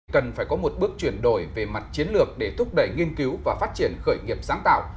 cần phải có một bước chuyển đổi về mặt chiến lược để thúc đẩy nghiên cứu và phát triển khởi nghiệp sáng tạo